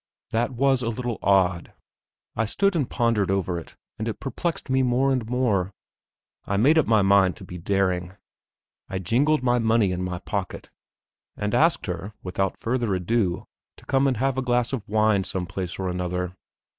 That was a little odd. I stood and pondered over it, and it perplexed me more and more. I made up my mind to be daring; I jingled my money in my pocket, and asked her, without further ado, to come and have a glass of wine some place or another